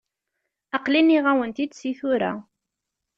Aql-i nniɣ-awen-t-id si tura.